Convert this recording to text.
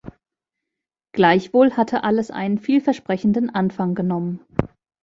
Gleichwohl hatte alles einen vielversprechenden Anfang genommen.